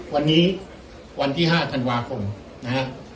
วันนี้วันที่๕ธันวาคมนะฮะ